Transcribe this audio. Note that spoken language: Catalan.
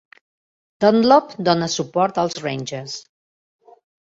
Dunlop dóna suport als Rangers.